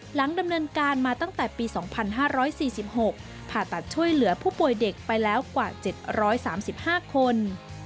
หลังดำเนินการมาตั้งแต่ปี๒๕๔๖ผ่าตัดช่วยเหลือผู้ป่วยเด็กไปแล้วกว่า๗๓๕คน